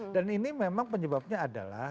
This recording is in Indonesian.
dan ini memang penyebabnya adalah